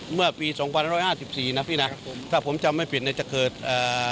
เมื่อปีสองพันร้อยห้าสิบสี่นะพี่นะถ้าผมจำไม่ผิดเนี่ยจะเกิดอ่า